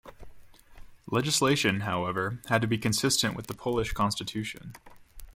Legislation, however, had to be consistent with the Polish constitution.